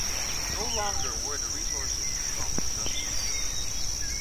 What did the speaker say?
No longer were the resources to come just from Europe.